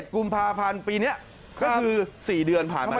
กุมภาพันธ์ปีนี้ก็คือ๔เดือนผ่านมา